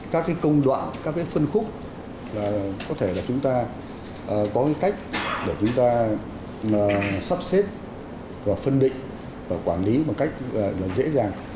các cái công đoạn các cái phân khúc là có thể là chúng ta có cái cách để chúng ta sắp xếp và phân định và quản lý bằng cách dễ dàng